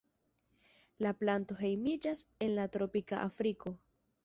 La planto hejmiĝas en la tropika Afriko.